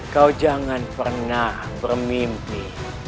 kau jangan pernah bermimpi